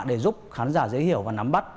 để giúp khán giả dễ hiểu và nắm bắt